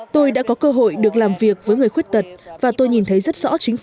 tôi đã có cơ hội được làm việc với người khuyết tật và tôi nhìn thấy rất rõ chính phủ